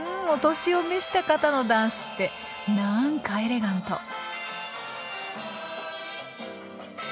お年を召した方のダンスって何かエレガント。